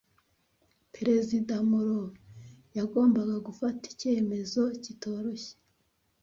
Perezida Monroe yagombaga gufata icyemezo kitoroshye.